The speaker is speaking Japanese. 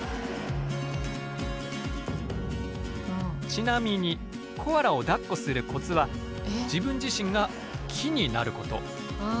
ちなみにコアラをだっこするコツは自分自身が木になること。